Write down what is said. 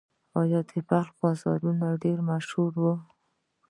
د بلخ بازارونه ډیر مشهور وو